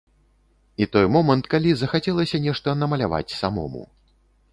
І той момант, калі захацелася нешта намаляваць самому.